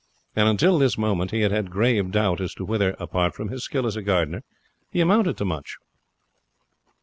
And until this moment he had had grave doubt as to whether, apart from his skill as a gardener, he amounted to much.